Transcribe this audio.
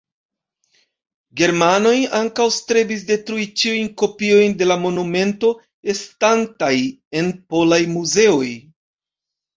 Germanoj ankaŭ strebis detrui ĉiujn kopiojn de la monumento estantaj en polaj muzeoj.